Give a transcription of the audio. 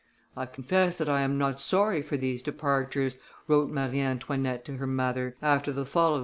"I confess that I am not sorry for these departures," wrote Marie Antoinette to her mother, after the fall of M.